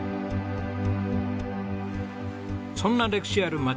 そんな歴史ある町